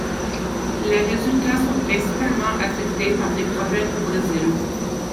Les résultats sont principalement affectés par des problèmes au Brésil.